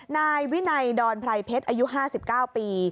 นายวินัยดอนไพรเพชรอายุ๕๙ปี